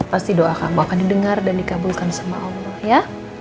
pasti doa kamu akan didengar dan dikabulkan sama allah ya